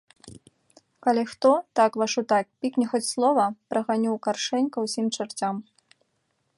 Калі хто, так вашу так, пікне хоць слова, праганю ў каршэнь ка ўсім чарцям.